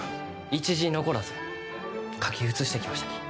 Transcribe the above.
一字残らず書き写してきましたき。